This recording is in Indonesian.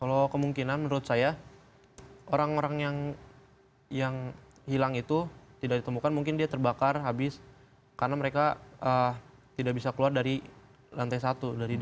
kalau kemungkinan menurut saya orang orang yang hilang itu tidak ditemukan mungkin dia terbakar habis karena mereka tidak bisa keluar dari lantai satu